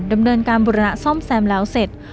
ดำเนินการบุรณะซ่อมแซมแล้วเสร็จ